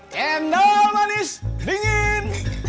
cendol manis dingin